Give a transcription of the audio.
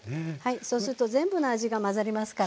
そうすると全部の味が混ざりますから。